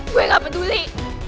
gue gak peduli